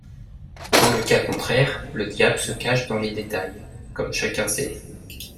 Dans le cas contraire, le diable se cache dans les détails, comme chacun sait.